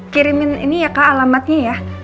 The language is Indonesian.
kirimin ini ya ke alamatnya ya